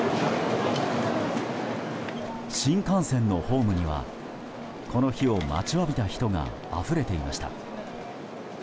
新幹線のホームにはこの日を待ちわびた人があふれていました。